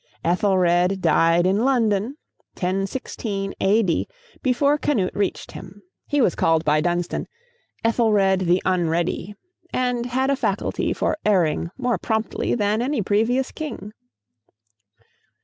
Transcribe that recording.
Ethelred died in London, 1016 A.D., before Canute reached him. He was called by Dunstan "Ethelred the Unready," and had a faculty for erring more promptly than any previous king.